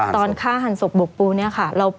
ตอนฆ่าหันศพบกปูเนี่ยค่ะ